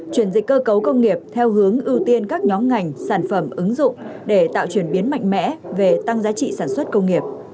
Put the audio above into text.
chuyển dịch cơ cấu công nghiệp theo hướng ưu tiên các nhóm ngành sản phẩm ứng dụng để tạo chuyển biến mạnh mẽ về tăng giá trị sản xuất công nghiệp